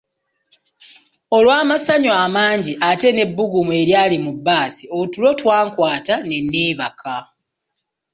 Olw'amasanyu amangi ate n'ebbugumu eryali mu bbaasi, otulo twankwata ne neebaka.